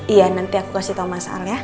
iya nanti aku kasih tahu mas al ya